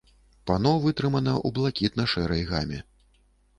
Пано вытрымана ў блакітна-шэрай гаме.